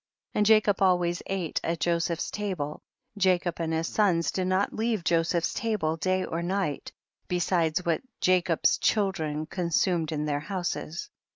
28. And Jacob always ate at Jo seph's table, Jacob and his sons did not leave Josepii's table day or night, besides what Jacob's children con sumed in their houses.